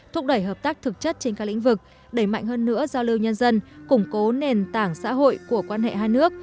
thúc đẩy hợp tác thực chất trên các lĩnh vực đẩy mạnh hơn nữa giao lưu nhân dân củng cố nền tảng xã hội của quan hệ hai nước